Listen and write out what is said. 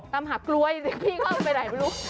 ตามหากล้วยพี่เค้าไปไหนไม่รู้